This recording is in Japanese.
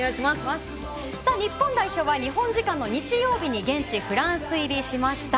日本代表は日本時間の日曜日に現地フランス入りしました。